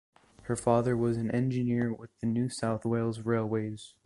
Her father was an engineer with the New South Wales railways.